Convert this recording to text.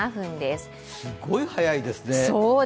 すごい早いですね。